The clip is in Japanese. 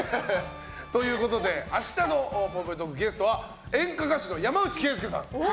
ということで明日のぽいぽいトークのゲストは演歌歌手の山内惠介さん。